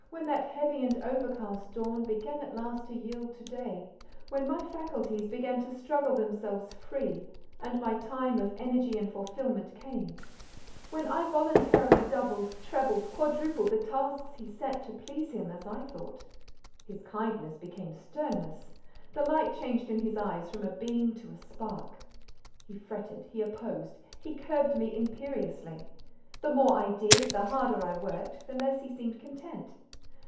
when that heavy and overcast dawn began at last to yield to day; when my faculties began to struggle themselves, free, and my time of energy and fulfilment came; when I voluntarily doubled, trebled, quadrupled the tasks he set, to please him as I thought, his kindness became sternness; the light changed in his eyes from a beam to a spark; he fretted, he opposed, he curbed me imperiously; the more I did, the harder I worked, the less he seemed content.